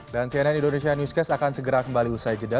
dan cnn indonesia newscast akan segera kembali usai jeda